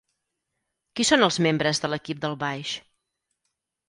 Qui són els membres de l’equip del baix?